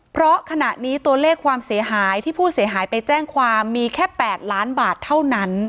เพราะขณะนี้ตัวเลขความเสียหายที่ผู้เสียหายไปแจ้งความมีแค่๘ล้านบาทเท่านั้น